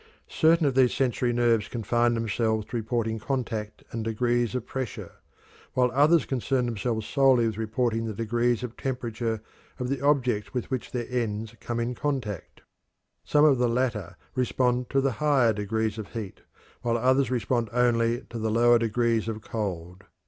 Certain of these sensory nerves confine themselves to reporting contact and degrees of pressure, while others concern themselves solely with reporting the degrees of temperature of the objects with which their ends come in contact. Some of the latter respond to the higher degrees of heat, while others respond only to the lower degrees of cold.